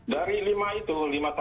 dari lima itu lima sampai enam itu